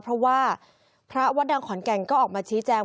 เพราะว่าพระวัดดังขอนแก่นก็ออกมาชี้แจง